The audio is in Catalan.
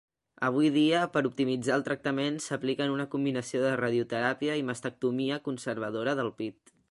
Avui dia, per optimitzar el tractament s'apliquen una combinació de radioteràpia i mastectomia conservadora del pit.